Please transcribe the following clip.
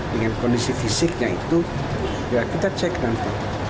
dengan kondisi fisiknya itu ya kita cek nanti